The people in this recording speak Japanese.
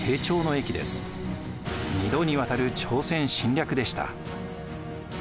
２度にわたる朝鮮侵略でした。